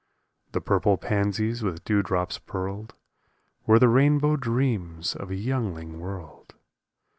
The purple pansies with dew drops pearled Were the rainbow dreams of a youngling world.